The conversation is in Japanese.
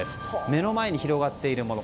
目の前に広がっているもの